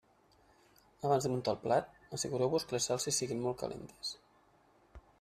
Abans de muntar el plat, assegureu-vos que les salses siguin molt calentes.